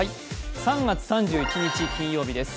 ３月３１日金曜日です。